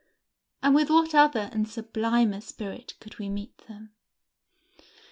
and with what other and sublimer spirit could we meet them?